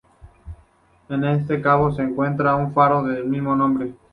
En este cabo se encuentra un faro del mismo nombre.